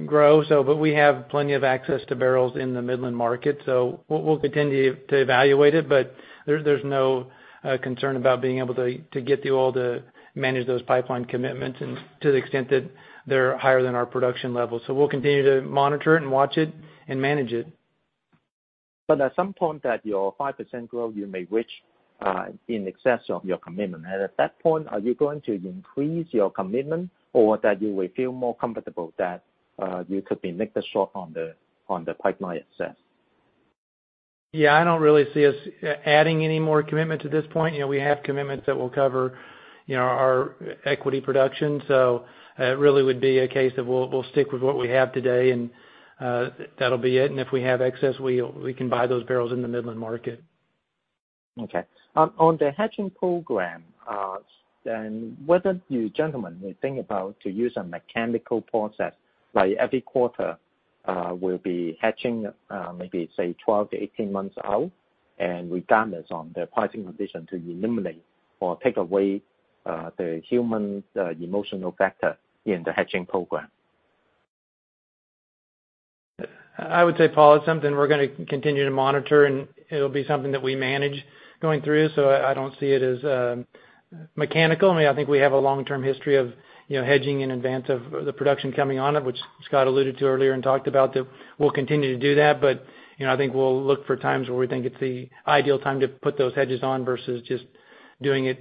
grow. We have plenty of access to barrels in the Midland market. We'll continue to evaluate it, but there's no concern about being able to get the oil to manage those pipeline commitments to the extent that they're higher than our production levels. We'll continue to monitor it and watch it and manage it. At some point that your 5% growth you may reach, in excess of your commitment. At that point, are you going to increase your commitment or that you will feel more comfortable that you could make the short on the pipeline itself? Yeah, I don't really see us adding any more commitment to this point. We have commitments that will cover our equity production. It really would be a case of we'll stick with what we have today and that'll be it. If we have excess, we can buy those barrels in the Midland market. Okay. On the hedging program, whether you gentlemen may think about to use a mechanical process, like every quarter, will be hedging, maybe say 12 to 18 months out, regardless on the pricing condition to eliminate or take away the human emotional factor in the hedging program? I would say, Paul, it's something we're going to continue to monitor, and it'll be something that we manage going through. I don't see it as mechanical. I think we have a long-term history of hedging in advance of the production coming on, of which Scott alluded to earlier and talked about, that we'll continue to do that. I think we'll look for times where we think it's the ideal time to put those hedges on versus just doing it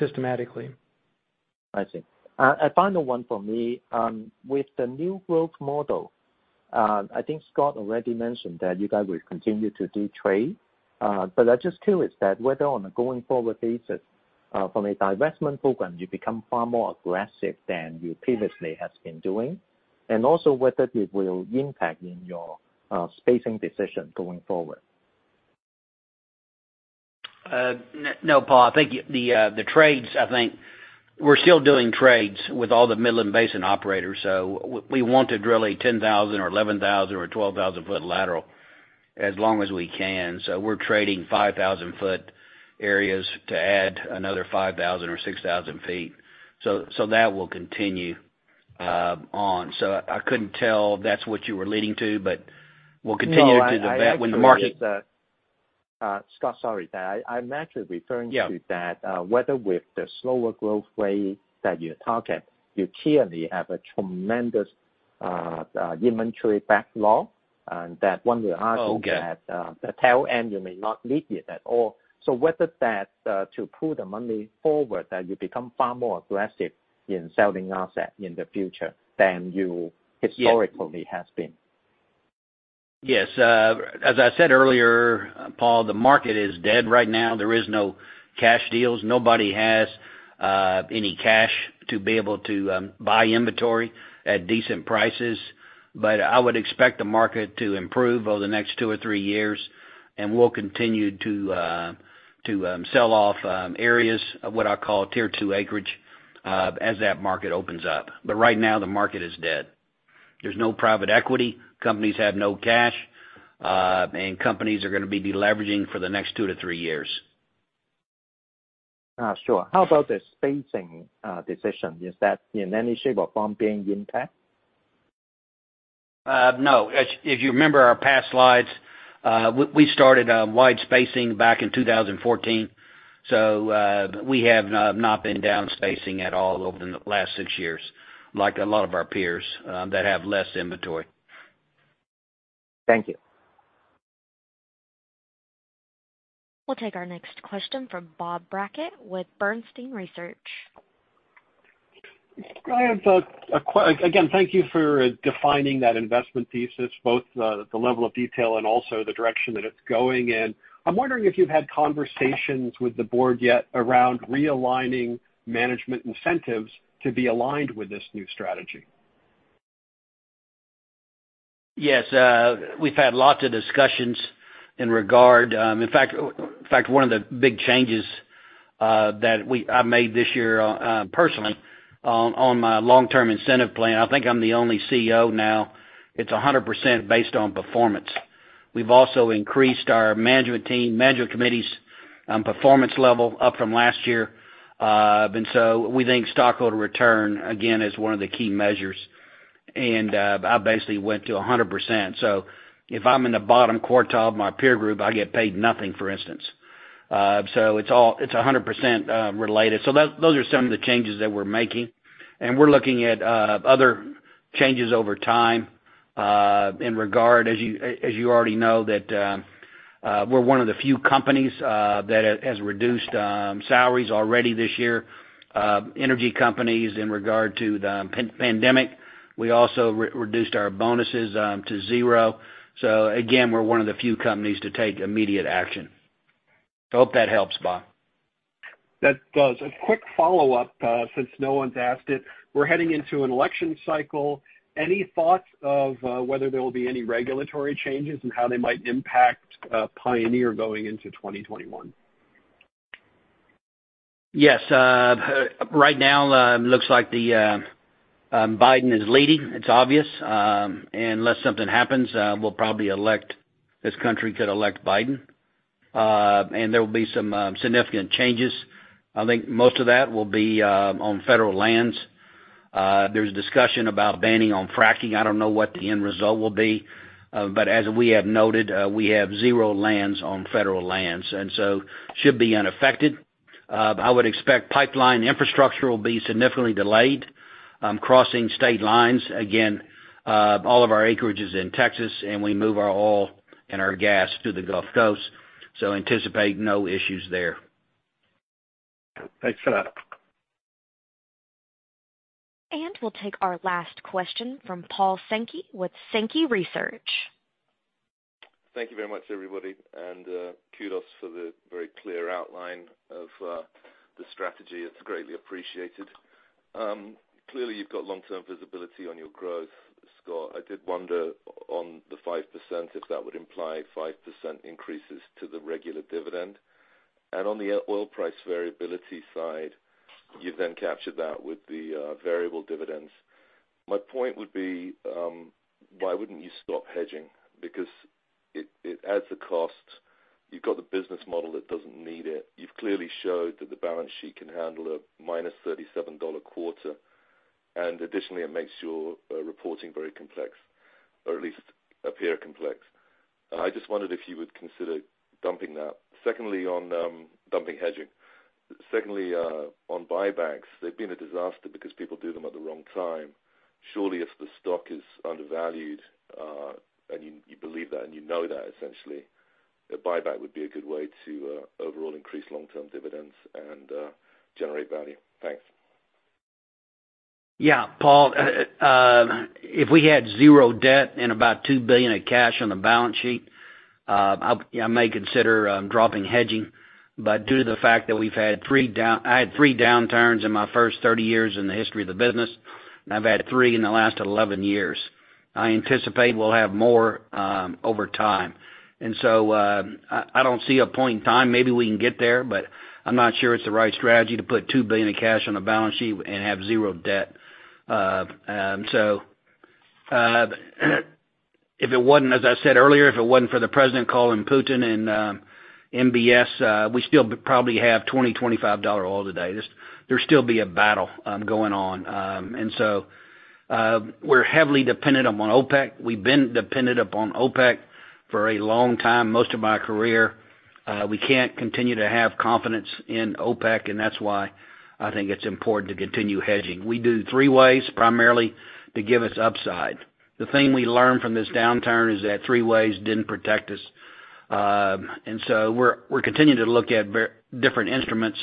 systematically. I see. A final one for me. With the new growth model, I think Scott already mentioned that you guys will continue to do trade. I'm just curious that whether on a going forward basis, from a divestment program, you become far more aggressive than you previously has been doing, and also whether it will impact in your spacing decision going forward. No, Paul, I think the trades, I think we're still doing trades with all the Midland Basin operators, so we want to drill a 10,000 or 11,000 or 12,000-foot lateral as long as we can. We're trading 5,000-foot areas to add another 5,000 or 6,000 feet. That will continue on. I couldn't tell if that's what you were leading to, but we'll continue to do that when the market- No, Scott, sorry. I'm actually referring to that. Yeah whether with the slower growth rate that you target, you clearly have a tremendous inventory backlog. Okay the tail end, you may not need it at all. To pull the money forward, you become far more aggressive in selling assets in the future than you historically have been. Yes. As I said earlier, Paul, the market is dead right now. There is no cash deals. Nobody has any cash to be able to buy inventory at decent prices. I would expect the market to improve over the next two or three years, and we'll continue to sell off areas of what I call Tier 2 acreage, as that market opens up. Right now, the market is dead. There's no private equity. Companies have no cash. Companies are going to be de-leveraging for the next two to three years. Sure. How about the spacing decision? Is that in any shape or form being impacted? No. If you remember our past slides, we started wide spacing back in 2014. We have not been down spacing at all over the last six years, unlike a lot of our peers that have less inventory. Thank you. We'll take our next question from Bob Brackett with Bernstein Research. Scott, again, thank you for defining that investment thesis, both the level of detail and also the direction that it's going in. I'm wondering if you've had conversations with the board yet around realigning management incentives to be aligned with this new strategy? Yes. We've had lots of discussions in regard. In fact, one of the big changes that I made this year, personally, on my long-term incentive plan, I think I'm the only CEO now, it's 100% based on performance. We've also increased our management team, management committee's performance level up from last year. We think stockholder return, again, is one of the key measures. I basically went to 100%. If I'm in the bottom quartile of my peer group, I get paid nothing, for instance. It's 100% related. Those are some of the changes that we're making, and we're looking at other changes over time, in regard, as you already know that we're one of the few companies that has reduced salaries already this year. Energy companies in regard to the pandemic. We also reduced our bonuses to zero. Again, we're one of the few companies to take immediate action. I hope that helps, Bob. That does. A quick follow-up, since no one's asked it. We're heading into an election cycle. Any thoughts of whether there will be any regulatory changes and how they might impact Pioneer going into 2021? Yes. Right now, looks like Biden is leading. It is obvious. Unless something happens, this country could elect Biden. There will be some significant changes. I think most of that will be on federal lands. There is discussion about banning on fracking. I do not know what the end result will be. As we have noted, we have zero lands on federal lands, and so should be unaffected. I would expect pipeline infrastructure will be significantly delayed, crossing state lines. Again, all of our acreage is in Texas, and we move our oil and our gas to the Gulf Coast. Anticipate no issues there. Thanks for that. We'll take our last question from Paul Sankey with Sankey Research. Thank you very much, everybody, and kudos for the very clear outline of the strategy. It's greatly appreciated. Clearly, you've got long-term visibility on your growth, Scott, I did wonder on the 5%, if that would imply 5% increases to the regular dividend. On the oil price variability side, you then captured that with the variable dividends. My point would be, why wouldn't you stop hedging? It adds a cost. You've got the business model that doesn't need it. You've clearly showed that the balance sheet can handle a -$37 quarter, and additionally, it makes your reporting very complex, or at least appear complex. I just wondered if you would consider dumping that. Secondly, on dumping hedging. Secondly, on buybacks. They've been a disaster because people do them at the wrong time. Surely, if the stock is undervalued, and you believe that, and you know that, essentially, a buyback would be a good way to overall increase long-term dividends and generate value. Thanks. Paul, if we had zero debt and about $2 billion of cash on the balance sheet, I may consider dropping hedging. Due to the fact that I had three downturns in my first 30 years in the history of the business, and I've had three in the last 11 years. I anticipate we'll have more over time. I don't see a point in time. Maybe we can get there, but I'm not sure it's the right strategy to put $2 billion of cash on a balance sheet and have zero debt. As I said earlier, if it wasn't for the President calling Putin and MBS, we'd still probably have $20, $25 oil today. There'd still be a battle going on. We're heavily dependent upon OPEC. We've been dependent upon OPEC for a long time, most of my career. We can't continue to have confidence in OPEC, and that's why I think it's important to continue hedging. We do three ways primarily to give us upside. The thing we learned from this downturn is that three ways didn't protect us. We're continuing to look at different instruments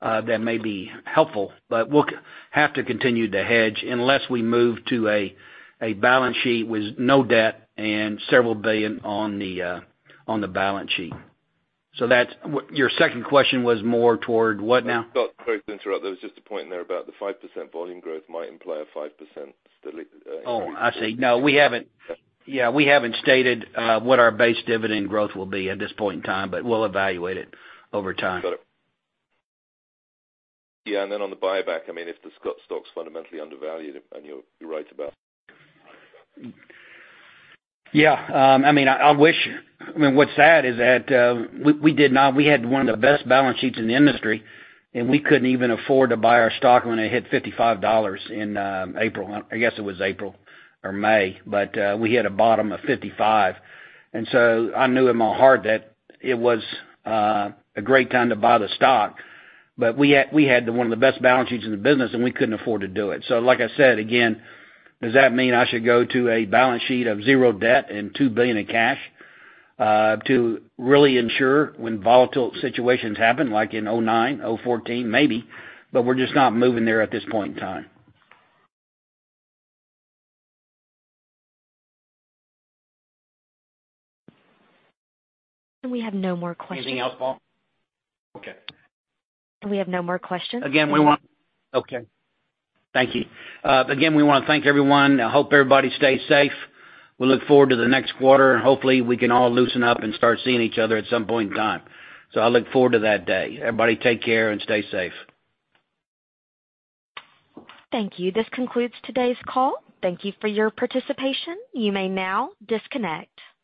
that may be helpful, but we'll have to continue to hedge unless we move to a balance sheet with no debt and several billion on the balance sheet. Your second question was more toward what now? Scott, sorry to interrupt. There was just a point in there about the 5% volume growth might imply a 5% delivery. Oh, I see. No, we haven't. Yeah, we haven't stated what our base dividend growth will be at this point in time, but we'll evaluate it over time. Got it. Yeah, on the buyback, if the stock's fundamentally undervalued, and you're right about. Yeah. What's sad is that we had one of the best balance sheets in the industry, and we couldn't even afford to buy our stock when it hit $55 in April. I guess it was April or May, but we hit a bottom of $55. I knew in my heart that it was a great time to buy the stock, but we had one of the best balance sheets in the business, and we couldn't afford to do it. Like I said, again, does that mean I should go to a balance sheet of zero debt and $2 billion in cash, to really ensure when volatile situations happen, like in 2009, 2014, maybe, but we're just not moving there at this point in time. We have no more questions. Anything else, Paul? Okay. We have no more questions. Okay. Thank you. Again, we want to thank everyone. I hope everybody stays safe. We look forward to the next quarter, and hopefully, we can all loosen up and start seeing each other at some point in time. I look forward to that day. Everybody, take care and stay safe. Thank you. This concludes today's call. Thank you for your participation. You may now disconnect.